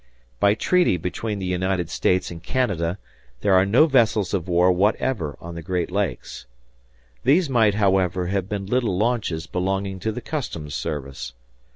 By treaty between the United States and Canada, there are no vessels of war whatever on the Great Lakes. These might, however, have been little launches belonging to the customs service.